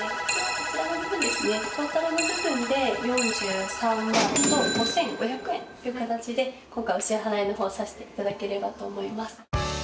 こちらトータルの部分で４３万５５００円という形で今回お支払いのほうさせていただければと思います。